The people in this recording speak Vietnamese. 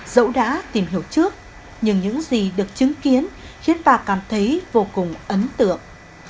dẫu đã tìm hiểu trước nhưng những gì được chứng kiến khiến bà cảm thấy vô cùng ấn tượng